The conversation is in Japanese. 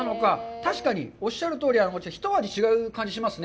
確かにおっしゃるとおり、一味違う感じがしますね。